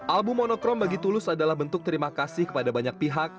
album monokrom bagi tulus adalah bentuk terima kasih kepada banyak pihak